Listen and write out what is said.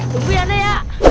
tunggu ya nek